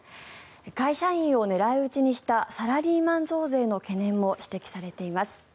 会社員を狙い撃ちにしたサラリーマン増税の懸念も指摘されています。